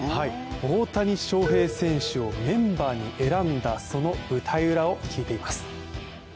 大谷翔平選手をメンバーに選んだ、その舞台裏を聞いています。